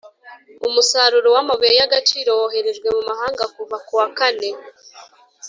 Umusaruro w amabuye y agaciro woherejwe mu mahanga kuva ku wakane